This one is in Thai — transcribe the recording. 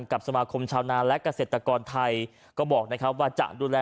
กับสมาคมชาวนาและเกษตรกรไทยก็บอกนะครับว่าจะดูแล